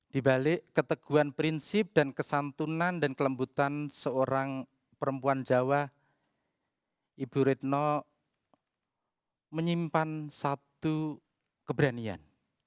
di balik keteguan prinsip dan kesantunan dan kelembutan seorang perempuan jawa ibu retno menyimpan satu keberanian